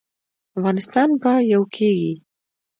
افغانستان به یو کیږي؟